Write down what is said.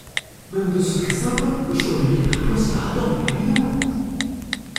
Même dans ce cas simple, le choix de l'hyperplan séparateur n'est pas évident.